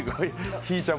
ひぃちゃん